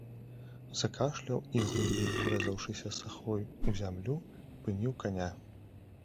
Закашляў і, глыбей урэзаўшыся сахой у зямлю, спыніў каня.